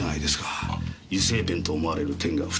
油性ペンと思われる点が２つ。